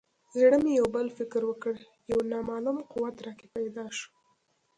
زړه مې یو بل فکر وکړ یو نامعلوم قوت راکې پیدا شو.